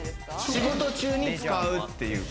仕事中に使うっていう。